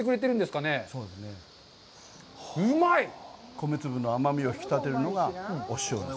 米粒の甘みを引き立てるのがお塩です。